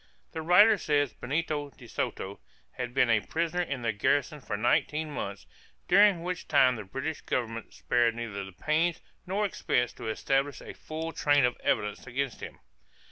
The writer says Benito de Soto "had been a prisoner in the garrison for nineteen months, during which time the British Government spared neither the pains not expense to establish a full train of evidence against him.